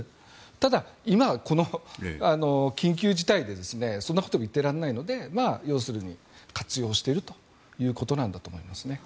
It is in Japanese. ただ、今、この緊急事態でそんなこといってられないので要するに、活用しているということなんだと思います。